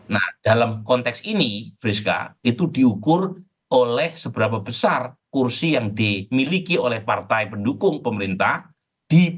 nah dalam konteks ini friska itu diukur oleh seberapa besar kursi yang dimiliki oleh partai pendukung pemerintah